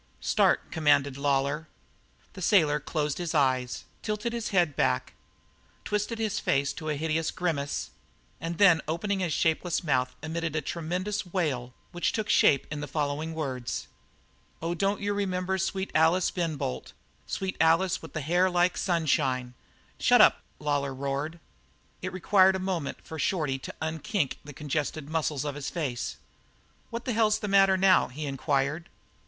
"Start!" commanded Lawlor. The sailor closed his eyes, tilted back his head, twisted his face to a hideous grimace, and then opening his shapeless mouth emitted a tremendous wail which took shape in the following words: "Oh, don't you remember sweet Alice, Ben Bolt, Sweet Alice, with hair like the sunshine " "Shut up!" roared Lawlor. It required a moment for Shorty to unkink the congested muscles of his face. "What the hell's the matter now?" he inquired.